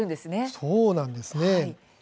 そうなんです。